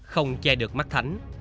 không che được mắt thánh